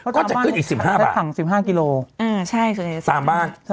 ก็จะขึ้นอีก๑๕บาทถัง๑๕กิโลอืมใช่ตามบ้าน